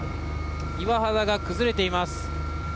岩肌が崩れています。